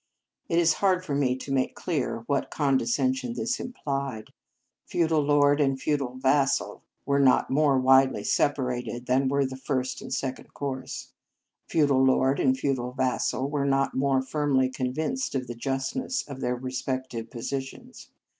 It is hard for me to make clear what condescension this implied. Feudal lord and feudal vas sal were not more widely separated than were the First and Second Cours. Feudal lord and feudal vassal were not more firmly convinced of the just ness of their respective positions.